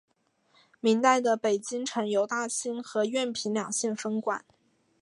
明代的北京城由大兴和宛平两县分管。